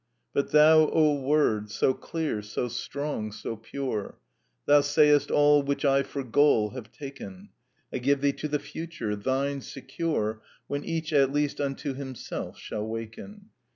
But thou, O word, so clear, so strong, so pure, Thou sayest all which I for goal have taken. I give thee to the future! Thine secure When each at least unto himself shall waken.